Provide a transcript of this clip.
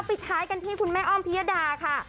ปิดท้ายกันที่คุณแม่อ้อมพิยดาค่ะ